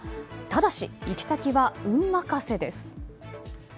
ただし、行き先は運任せです。